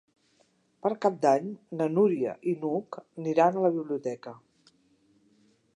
Per Cap d'Any na Núria i n'Hug iran a la biblioteca.